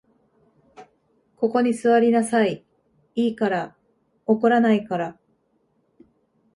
ここに坐りなさい、いいから。怒らないから。